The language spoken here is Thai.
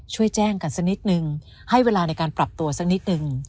ช่วยแจ้งกันสักนิดนึงให้เวลาในการปรับตัวสักนิดนึง